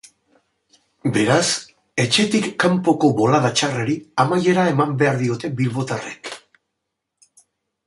Beraz, etxetik kanpoko bolada txarrari amaiera eman behar diote bilbotarrek.